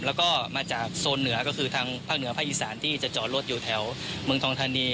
แล้วก็มาจากโซนเหนือก็คือทางภาคเหนือภาคอีสานที่จะจอดรถอยู่แถวเมืองทองทานี